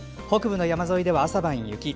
北部の山沿いでは朝晩は雪